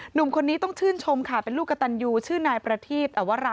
หนุ่มคนนี้ต้องชื่นชมค่ะเป็นลูกกระตันยูชื่อนายประทีพอวรา